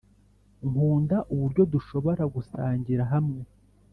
nkunda uburyo dushobora gusangira hamwe